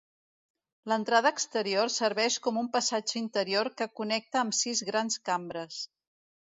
L'entrada exterior serveix com un passatge interior que connecta amb sis grans cambres.